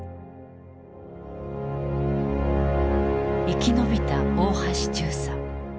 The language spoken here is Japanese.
生き延びた大橋中佐。